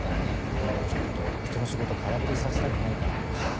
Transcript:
同業者だとひとの仕事空振りさせたくないからハッ！